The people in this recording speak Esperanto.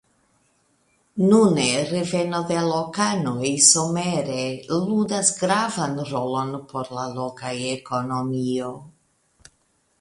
Nune reveno de lokanoj somere ludas gravan rolon por la loka ekonomio.